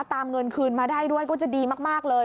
เงินคืนมาได้ด้วยก็จะดีมากเลย